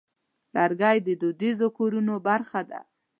لرګی د دودیزو کورونو برخه ده.